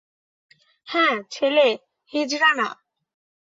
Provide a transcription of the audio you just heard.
হ্যাঁ, ছেলে, হিজড়া না।